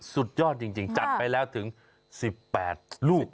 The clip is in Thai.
สุดยอดจริงจัดไปแล้วถึง๑๘ลูก